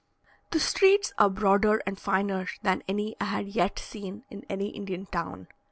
The streets are broader and finer than any I had yet seen in any Indian town.